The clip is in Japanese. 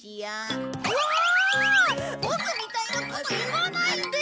ボクみたいなこと言わないで！